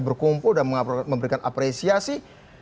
berkumpul dan memberikan apresiasi